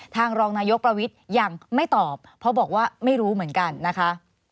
รองนายกประวิทย์ยังไม่ตอบเพราะบอกว่าไม่รู้เหมือนกันนะคะ